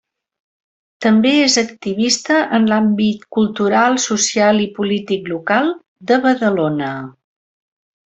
També és activista en l'àmbit cultural, social i polític local de Badalona.